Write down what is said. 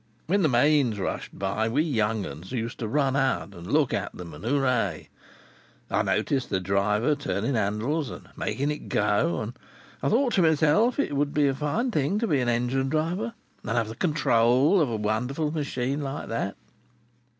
When the trains rushed by, we young 'uns used to run out to look at 'em, and hooray. I noticed the driver turning handles, and making it go, and I thought to myself it would be a fine thing to be a engine driver, and have the control of a wonderful machine like that.